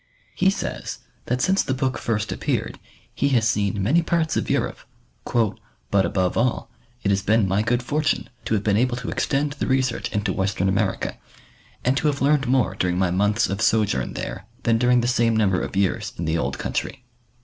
He says that since the book first appeared he has seen many parts of Europe, " but above all it has been my good fortune to have been able to extend the research into western America, and to have learned more during my months of sojourn there than dur ing the same number of years in the Old Country."